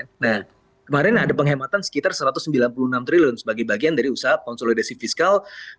nah kemarin ada penghematan sekitar satu ratus sembilan puluh enam triliun sebagai bagian dari usaha konsolidasi fiskal